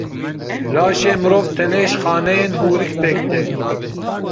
Laşê mirov tenê ji xaneyên hûrik pêk tê.